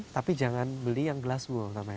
tapi jangan beli yang glass wool namanya